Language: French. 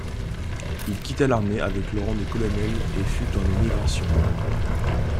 Il quitta l'armée avec le rang de colonel et fut en émigration.